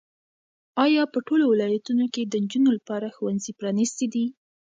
ایا په ټولو ولایتونو کې د نجونو لپاره ښوونځي پرانیستي دي؟